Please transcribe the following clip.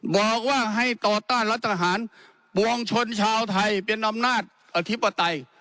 บอกว่าให้ต่อต้านรัฐประหารปวงชนชาวไทยเป็นอำนาจอธิปไตย